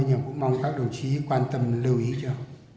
nhưng cũng mong các đồng chí quan tâm lưu ý cho